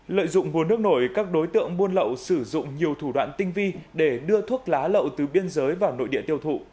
lợi dụng nguồn nước nổi các đối tượng buôn lậu sử dụng nhiều thủ đoạn tinh vi để đưa thuốc lá lậu từ biên giới vào nội địa tiêu thụ